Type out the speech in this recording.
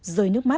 rơi nước mắt